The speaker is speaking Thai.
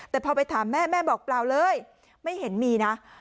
แต่พอไปถามแม่แม่บอกเปล่าเลยไม่เห็นมีนะ